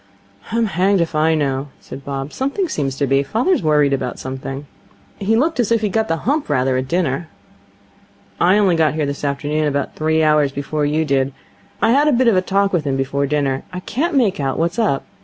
'I'm hanged if I know,' said Bob. 'Something seems to be. Father's worried about something.' 'He looked as if he'd got the hump rather at dinner.' 'I only got here this afternoon, about three hours before you did. I had a bit of a talk with him before dinner. I can't make out what's up.